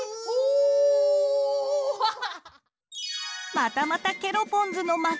またまたケロポンズの負け。